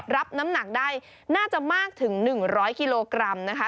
รับน้ำหนักได้น่าจะมากถึง๑๐๐กิโลกรัมนะคะ